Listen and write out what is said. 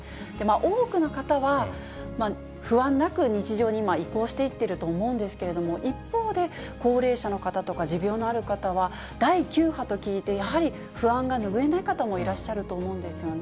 多くの方は、不安なく日常に移行していってると思うんですけれども、一方で、高齢者の方とか、持病のある方は、第９波と聞いて、やはり不安が拭えない方もいらっしゃると思うんですよね。